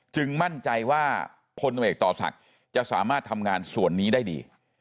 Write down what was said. มั่นใจว่าพลตำรวจเอกต่อศักดิ์จะสามารถทำงานส่วนนี้ได้ดี